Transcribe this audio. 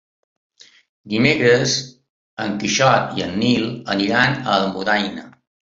Dimecres en Quixot i en Nil iran a Almudaina.